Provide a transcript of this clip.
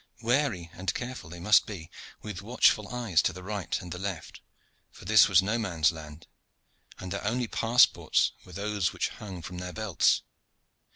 Wary and careful they must be, with watchful eyes to the right and the left, for this was no man's land, and their only passports were those which hung from their belts.